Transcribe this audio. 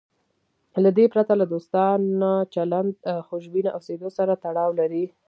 له دې پرته له دوستانه چلند خوشبینه اوسېدو سره تړاو لري.